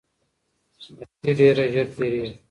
مستي ډیره ژر تېریږي.